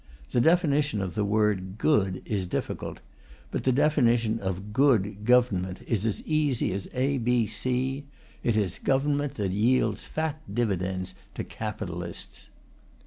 The definition of the word "good" is difficult, but the definition of "good government" is as easy as A.B.C.: it is government that yields fat dividends to capitalists.